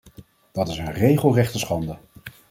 Dat is een regelrechte schande!